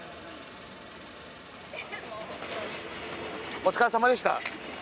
お疲れさまでした。